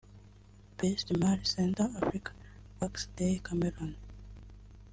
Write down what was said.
Best Male Central Africa- Wax Dey (Cameroon)